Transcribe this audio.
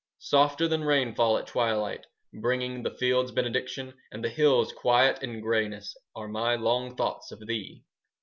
Softer than rainfall at twilight, 5 Bringing the fields benediction And the hills quiet and greyness, Are my long thoughts of thee.